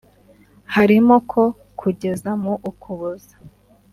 harimo ko kugeza mu Ukuboza